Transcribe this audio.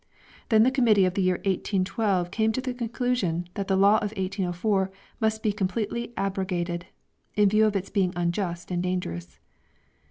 Then the Committee of the year 1812 came to the conclusion that the law of 1804 must be completely abrogated, in view of its being unjust and dangerous.